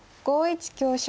５一香車。